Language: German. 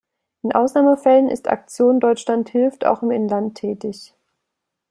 In Ausnahmefällen ist Aktion Deutschland Hilft auch im Inland tätig.